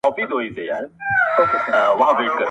خو خپل عمل بدلولای نه سي،